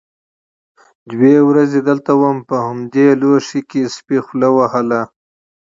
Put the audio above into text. _دوې ورځې دلته وم، په همدې جام کې سپي خوله وهله.